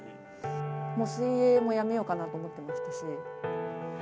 もう水泳もやめようかなと思ってましたし。